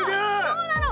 そうなの。